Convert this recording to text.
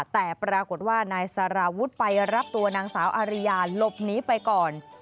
แต่ปรากฏว่านายสารวุฒิไปรับตัวนางสาวอาริยาหลบหนีไปก่อน